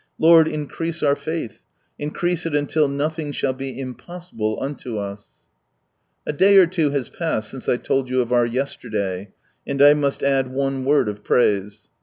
Lord, increase our faith, increase it until " nothing shall be impossible " unto us ! A day or two has passed since I told you of our " yesterday," and 1 must add one word of praise.